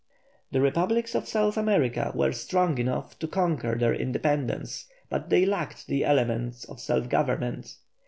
The republics of South America were strong enough to conquer their independence, but they lacked the elements of self government.